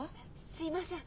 すみません。